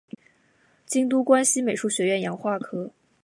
京都关西美术学院洋画科